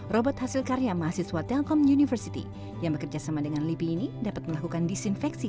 robot hasil karya mahasiswa telkom university yang bekerja sama dengan lipi ini dapat melakukan disinfeksi